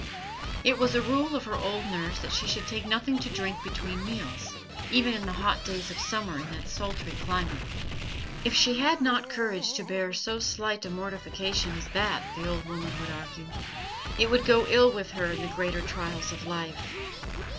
It was a rule of her old nurse that she should take nothing to drink between meals, even in the hot days of summer in that sultry climate. If she had not courage to bear so slight a mortification as that, the old woman would argue, it would go ill with her in the greater trials of life.